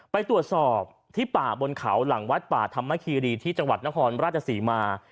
ไปตรวจสอบที่ป่าบนเขาหลังวัดป่าธรรมคีรีที่จังหวัดนครราชศรีมา